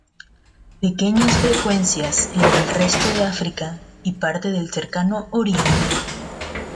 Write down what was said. Pequeñas frecuencias en el resto de África y parte del Cercano Oriente.